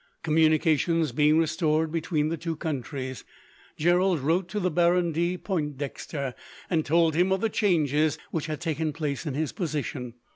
Communications being restored between the two countries, Gerald wrote to the Baron de Pointdexter, and told him of the changes which had taken place in his position.